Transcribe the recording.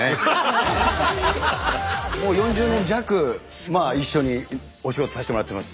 もう４０年弱一緒にお仕事させてもらってます。